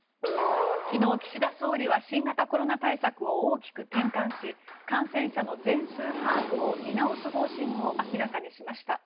昨日、岸田総理は新型コロナ対策を大きく転換し感染者の全数把握を見直す方針を明らかにしました。